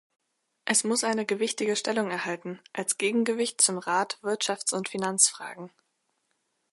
Es muss eine gewichtige Stellung erhalten, als Gegengewicht zum Rat Wirtschafts- und Finanzfragen.